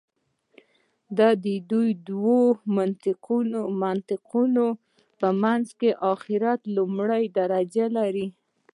د دې دوو منطقونو په منځ کې آخرت لومړۍ درجه لري.